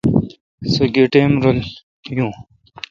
سو گیہ ٹئم رل یوں۔